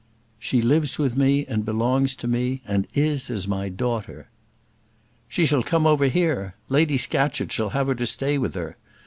"She lives with me, and belongs to me, and is as my daughter." "She shall come over here. Lady Scatcherd shall have her to stay with her.